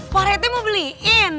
pak rete mau beliin